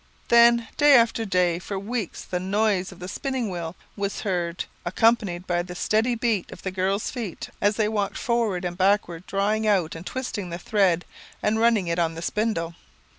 Then, day after day, for weeks, the noise of the spinning wheel was heard, accompanied by the steady beat of the girls' feet, as they walked forward and backward drawing out and twisting the thread and running it on the spindle.